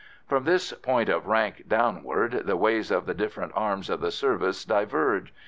From this point of rank downward the ways of the different arms of the service diverge.